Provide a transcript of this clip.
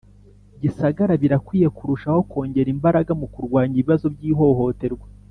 Gisagara Birakwiye kurushaho kongera imbaraga mu kurwanya ibibazo by ihohoterwa